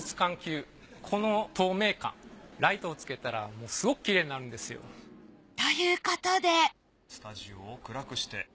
この透明感ライトをつけたらすごくきれいになるんですよ。ということでスタジオを暗くして。